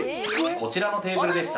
◆こちらのテーブルでした。